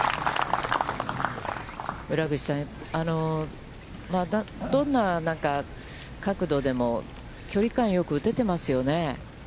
村口さん、どんな角度でも距離感よく打てていますよね。